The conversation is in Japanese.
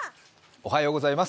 おはようございます。